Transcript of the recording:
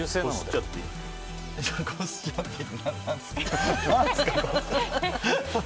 何ですか？